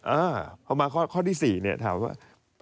เออพอมาข้อที่๔ถามว่า